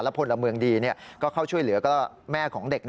พลเมืองดีก็เข้าช่วยเหลือก็แม่ของเด็ก